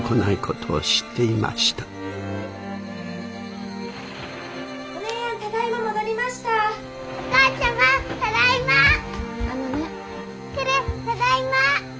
ただいま！